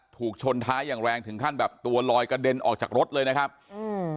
ถูกชนท้ายอย่างแรงถึงขั้นแบบตัวลอยกระเด็นออกจากรถเลยนะครับอืม